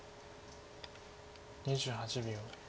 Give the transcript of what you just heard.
２８秒。